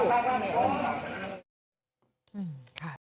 เลยแม่ของน้องนัทหอมแก้มมาก